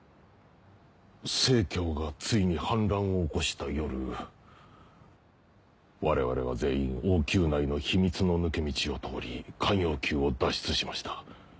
成がついに反乱を起こした夜我々は全員王宮内の秘密の抜け道を通り咸陽宮を脱出しました。